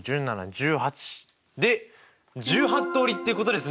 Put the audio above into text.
で１８通りっていうことですね！